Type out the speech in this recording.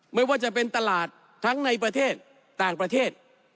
ไม่ว่าจะเป็นตลาดทั้งในประเทศต่างประเทศ